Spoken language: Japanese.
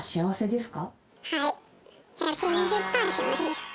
はい。